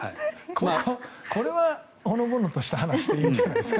これはほのぼのとした話でいいんじゃないですか。